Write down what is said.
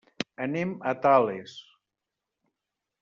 Anem a Tales.